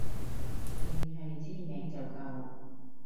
淨係知名就夠